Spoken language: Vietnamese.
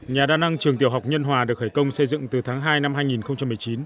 nhà đa năng trường tiểu học nhân hòa được khởi công xây dựng từ tháng hai năm hai nghìn một mươi chín